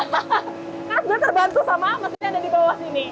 saya terbantu sama mesin yang ada di bawah sini